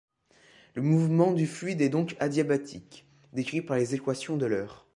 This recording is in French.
Le mouvement du fluide est donc adiabatique, décrit par les équations d'Euler.